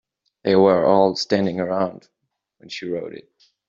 They were all standing around when she wrote it.